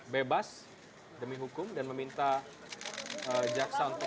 bebas demi hukum dan meminta jaksa untuk